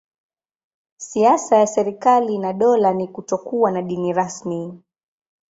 Siasa ya serikali na dola ni kutokuwa na dini rasmi.